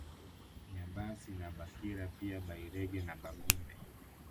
Nyabasi na Bakira pia Bairege na Bagumbe